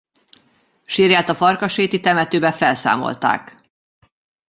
Sírját a Farkasréti temetőben felszámolták.